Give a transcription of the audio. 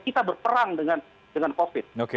kita berperang dengan covid